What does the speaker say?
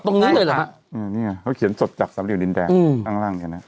ตรงนี้เลยเหรอฮะอืมเนี่ยเขาเขียนสดจากสำเหลี่ยดินแดงข้างล่างเนี่ยนะ